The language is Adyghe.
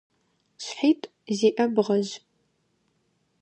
Шъхьитӏу зиӏэ бгъэжъ.